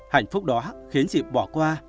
hạnh phúc đó khiến chị bỏ qua